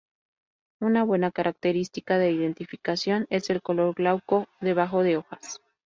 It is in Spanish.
Una buena característica de identificación es el color glauco debajo de hojas.